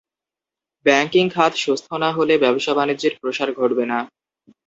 Banking খাত সুস্থ না হলে ব্যবসা বাণিজ্যের প্রসার ঘটবে না।